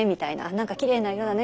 「なんかきれいな色だね」